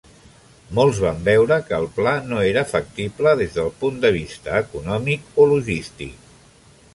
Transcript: Molts van veure que el pla no era factible des del punt de vista econòmic o logístic.